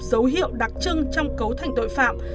dấu hiệu đặc trưng trong cấu thành tội phạm